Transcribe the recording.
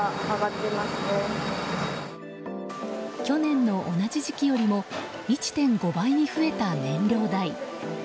去年の同じ時期よりも１．５倍に増えた燃料代。